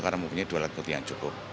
karena mempunyai dua alat bukti yang cukup